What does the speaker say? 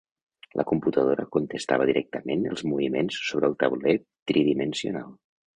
La computadora contestava directament els moviments sobre el tauler tridimensional.